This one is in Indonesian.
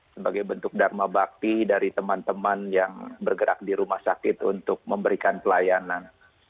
sebagai bentuk dharma bakti dari teman teman yang bergerak di rumah sakit untuk memberikan pelayanan